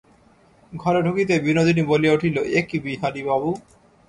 ঘরে ঢুকিতেই বিনোদিনী বলিয়া উঠিল, এ কী বিহারীবাবু!